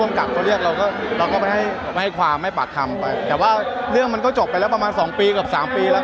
ได้ต่อคำคำไปแต่ว่าเรื่องมันก็จบไปแล้วประมาณสองปีกับสามปีแล้ว